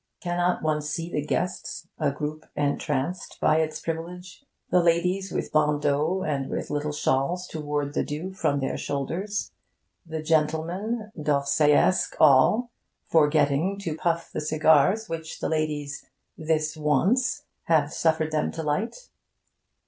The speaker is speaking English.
Cannot one see the guests, a group entranced by its privilege the ladies with bandeaux and with little shawls to ward the dew from their shoulders; the gentlemen, D'Orsayesque all, forgetting to puff the cigars which the ladies, 'this once,' have suffered them to light?